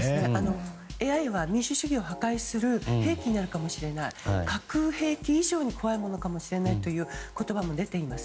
ＡＩは民主主義を破壊する兵器になるかもしれない架空兵器以上に怖いものかもしれないという言葉も出ています。